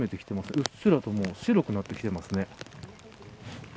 うっすらと白くなってきていますね。